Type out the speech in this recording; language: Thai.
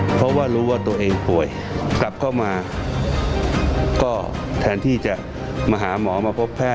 เพราะว่ารู้ว่าตัวเองป่วยกลับเข้ามาก็แทนที่จะมาหาหมอมาพบแพท